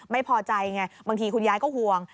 ไม่พอใจไงบางทีคุณยายก็ห่วง